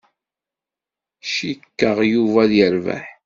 Cikkeɣ Yuba ad yerbeḥ.